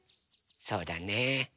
そうだね。